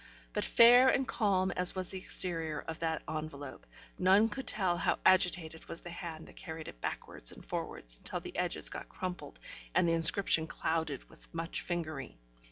But fair and calm as was the exterior of that envelope, none could tell how agitated was the hand that carried it backwards and forwards until the edges got crumpled and the inscription clouded with much fingering.